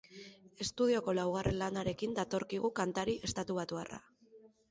Estudioko laugarren lanarekin datorkigu kantari estatubatuarra.